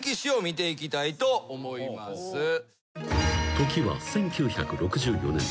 ［時は１９６４年］